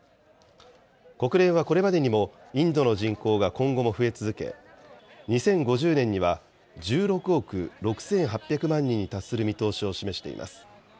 国連はこれまでにもインドの人口が今後も増え続け、２０５０年には１６億６８００万人に達する見通しを示しています。